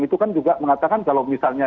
itu kan juga mengatakan kalau misalnya